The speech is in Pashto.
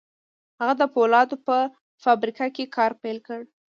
هغه د پولادو په فابريکه کې کار پيل کړ.